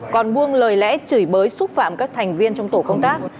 còn buông lời lẽ chửi bới xúc phạm các thành viên trong tổ công tác